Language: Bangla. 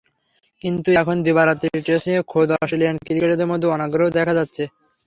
কিন্তু এখন দিবা-রাত্রির টেস্ট নিয়ে খোদ অস্ট্রেলিয়ান ক্রিকেটারদের মধ্যেই অনাগ্রহ দেখা যাচ্ছে।